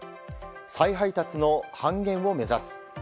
再配達の半減を目指す。